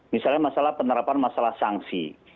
misalnya masalah penerapan masalah sanksi